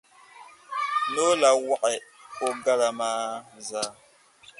Noo la waɣi o gala maa zaa.